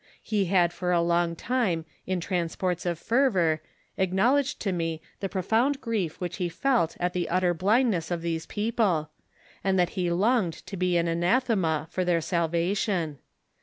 He had for a long time in transports of fervor acknowledged to me the profound grief which he felt at the utter blindness of these people, and that he longed to be an anathema for their salvation.